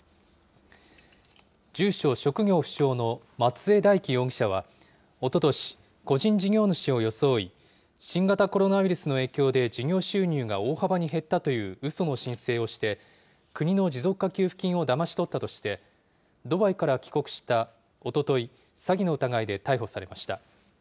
住所・職業不詳の松江大樹容疑者は、おととし、個人事業主を装い、新型コロナウイルスの影響で事業収入が大幅に減ったといううその申請をして、国の持続化給付金をだまし取ったとして、ドバイから帰国したおととい、詐欺の疑いで逮捕されました。